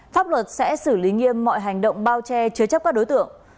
pháp luật sẽ xử lý nghiêm mọi hành động bao che chứa chấp các đối tượng